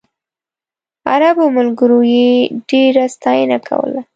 عربو ملګرو یې ډېره ستاینه کوله.